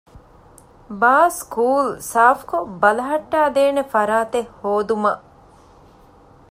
ބާސްކޫލް ސާފްކޮށް ބަލަހައްޓައިދޭނެ ފަރާތެއް ހޯދުމަށް